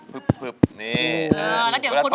หึบหึบนี่หึบ